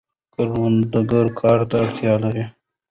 کروندګر کار ته اړتیا لري.